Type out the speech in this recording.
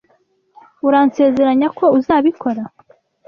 Uransezeranya ko uzabikora?